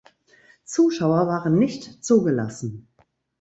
Zuschauer waren nicht zugelassen.